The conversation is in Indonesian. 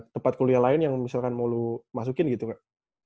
tempat kuliah lain yang misalkan mau lo masukin gitu kak